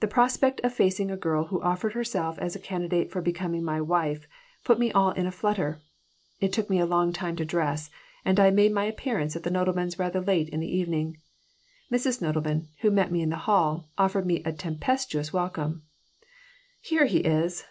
The prospect of facing a girl who offered herself as a candidate for becoming my wife put me all in a flutter. It took me a long time to dress and I made my appearance at the Nodelmans' rather late in the evening. Mrs. Nodelman, who met me in the hall, offered me a tempestuous welcome "Here he is!